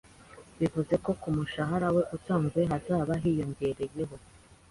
bivuze ko ku mushahara we usanzwe hazaba hiyongereyeho